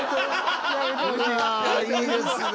うわいいですね。